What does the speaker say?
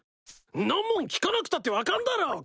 んなもん聞かなくたって分かんだろ！